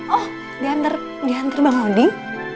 oh diantar bang odin